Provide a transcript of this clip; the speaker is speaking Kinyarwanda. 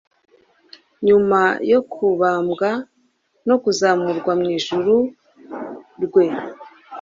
nyuma yo kubambwa no kuzamurwa mu ijuru rwe.